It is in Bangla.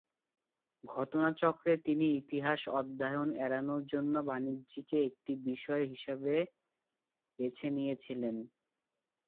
ঘটনাচক্রে, তিনি ইতিহাস অধ্যয়ন এড়ানোর জন্য বাণিজ্যকে একটি বিষয় হিসাবে বেছে নিয়েছিলেন।